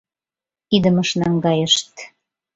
Идымыш наҥгайышт